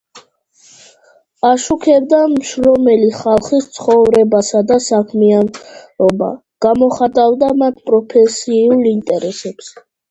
აშუქებდა მშრომელი ხალხის ცხოვრებასა და საქმიანობა, გამოხატავდა მათ პროფესიულ ინტერესებს.